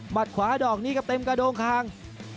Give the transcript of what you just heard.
หมัดขวาดอกนี้ครับเต็มกระโดงคาง